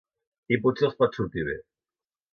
I potser els pot sortir bé.